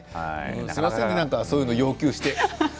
すみませんねなんかそういうのを要求して。